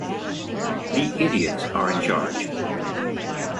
The idiots are in charge.